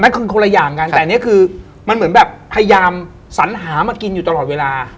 คนละอย่างกันแต่อันนี้คือมันเหมือนแบบพยายามสัญหามากินอยู่ตลอดเวลา